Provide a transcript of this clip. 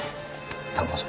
頼むぞ。